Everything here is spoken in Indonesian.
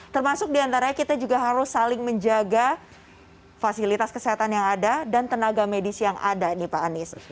termasuk diantaranya kita juga harus saling menjaga fasilitas kesehatan yang ada dan tenaga medis yang ada nih pak anies